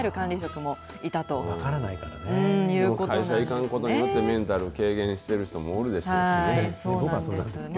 会社に行かないことによって、メンタルが低迷している人はおるでしょうしね。